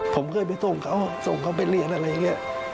ผมเคยไปส่งเขาส่งเขาไปเรียนอะไรอย่างนี้